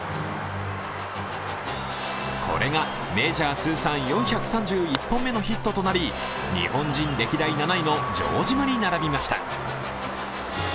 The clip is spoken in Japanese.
これがメジャー通算４３１本目のヒットとなり、日本人歴代７位の城島に並びました